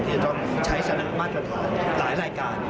ที่จะต้องใช้สำหรับมาตรฐานหลายรายการ